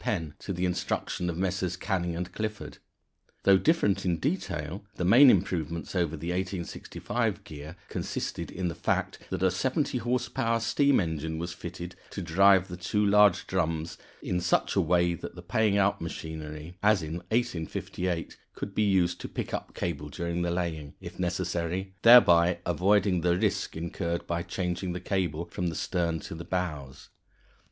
Penn to the instructions of Messrs. Canning & Clifford. Though different in detail, the main improvement over the 1865 gear consisted in the fact that a 70 horse power steam engine was fitted to drive the two large drums in such a way that the paying out machinery, as in 1858, could be used to pick up cable during the laying, if necessary, thereby avoiding the risk incurred by changing the cable from the stern to the bows.